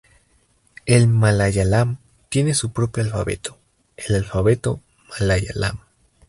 El malayalam tiene su propio alfabeto, el alfabeto malayalam.